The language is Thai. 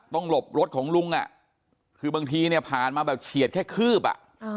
หลบรถของลุงอ่ะคือบางทีเนี่ยผ่านมาแบบเฉียดแค่คืบอ่ะ